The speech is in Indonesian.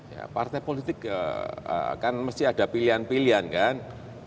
ya partai politik kan mesti ada pilihan pilihan kan